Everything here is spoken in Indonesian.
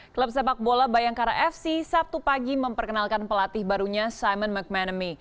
klub sepak bola bayangkara fc sabtu pagi memperkenalkan pelatih barunya simon mcmanamy